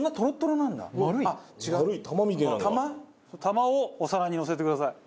球をお皿にのせてください。